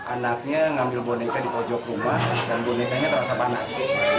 anaknya ngambil boneka di pojok rumah dan bonekanya terasa panas